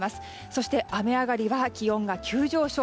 そして雨上がりは気温が急上昇。